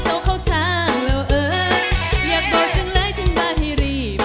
เธอเขาทางแล้วเอิ้บอยากบอกจึงเลยทำบาทให้รีบ